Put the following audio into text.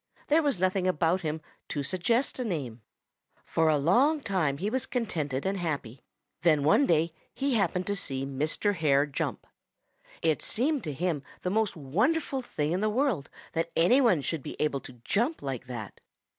There was nothing about him to suggest a name. "For a long time he was contented and happy. Then one day he happened to see Mr. Hare jump. It seemed to him the most wonderful thing in the world that any one should be able to jump like that.